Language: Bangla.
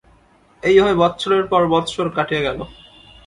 এইভাবে বৎসরের পর বৎসর কাটিয়া গেল।